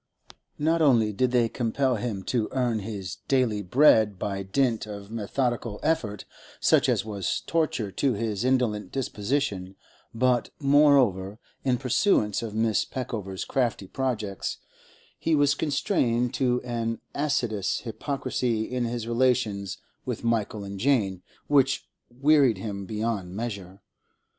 Not only did they compel him to earn his daily bread by dint of methodical effort such as was torture to his indolent disposition, but, moreover, in pursuance of Mrs. Peckover's crafty projects, he was constrained to an assiduous hypocrisy in his relations with Michael and Jane which wearied him beyond measure.